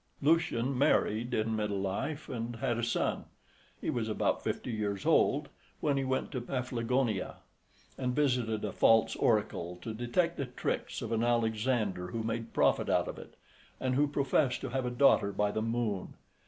Lucian married in middle life, and had a son. He was about fifty years old when he went to Paphlagonia, and visited a false oracle to detect the tricks of an Alexander who made profit out of it, and who professed to have a daughter by the Moon.